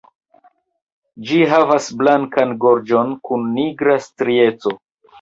Ĝi havas blankan gorĝon kun nigra strieco.